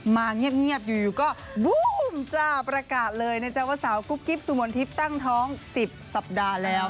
มาเงียบอยู่ก็บูมจ้าประกาศเลยนะจ๊ะว่าสาวกุ๊กกิ๊บสุมนทิพย์ตั้งท้อง๑๐สัปดาห์แล้ว